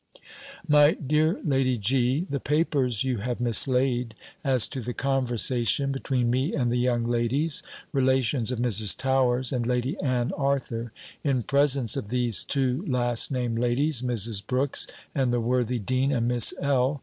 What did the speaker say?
My dear Lady G., The papers you have mislaid, as to the conversation between me and the young ladies, relations of Mrs. Towers, and Lady Anne Arthur, in presence of these two last named ladies, Mrs. Brooks, and the worthy dean, and Miss L.